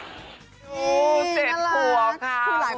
รับรองว่าเรื่องต่อมันต้องสนุกมากแน่เลยค่ะ